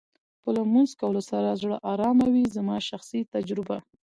په لمونځ کولو سره زړه ارامه وې زما شخصي تجربه.